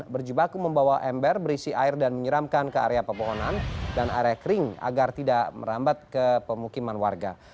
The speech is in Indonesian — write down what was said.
berjebaku membawa ember berisi air dan menyiramkan ke area pepohonan dan area kering agar tidak merambat ke pemukiman warga